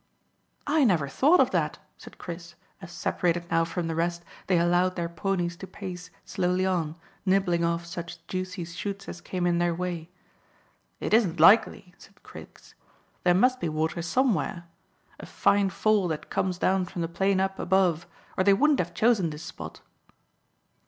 "I never thought of that," said Chris, as, separated now from the rest, they allowed their ponies to pace slowly on, nibbling off such juicy shoots as came in their way. "It isn't likely," said Griggs. "There must be water somewhere a fine fall that comes down from the plain up above, or they wouldn't have chosen this spot."